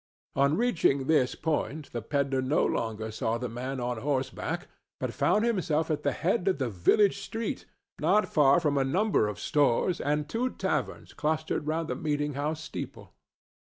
On reaching this point the pedler no longer saw the man on horseback, but found himself at the head of the village street, not far from a number of stores and two taverns clustered round the meeting house steeple.